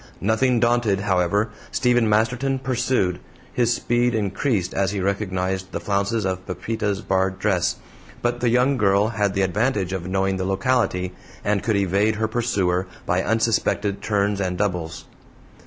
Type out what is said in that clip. Nothing daunted, however, Stephen Masterton pursued, his speed increased as he recognized the flounces of Pepita's barred dress, but the young girl had the advantage of knowing the locality, and could evade her pursuer by unsuspected turns and doubles.